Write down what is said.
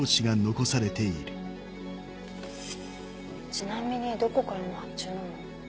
ちなみにどこからの発注なの？